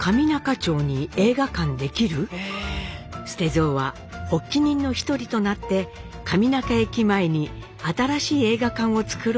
捨蔵は発起人の一人となって上中駅前に新しい映画館を造ろうとしていたのです。